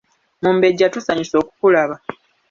Mumbejja tusanyuse okukulaba.